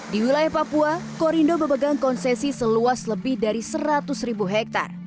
di wilayah papua korindo memegang konsesi seluas lebih dari seratus ribu hektare